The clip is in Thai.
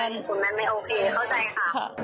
คุณแม่ไม่โอเคเข้าใจค่ะ